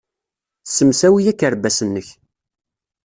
Ssemsawi akerbas-nnek.